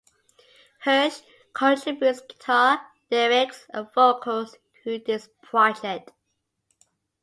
Hersh contributes guitar, lyrics, and vocals to this project.